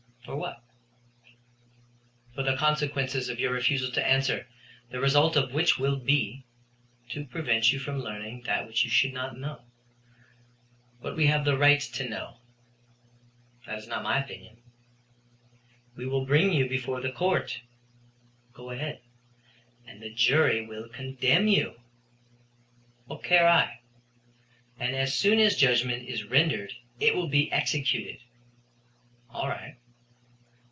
"For what?" "For the consequences of your refusal to answer, the result of which will be " "To prevent you from learning that which you should not know." "What we have the right to know." "That is not my opinion." "We will bring you before the court." "Go ahead." "And the jury will condemn you." "What care I." "And as soon as judgment is rendered it will be executed." "All right."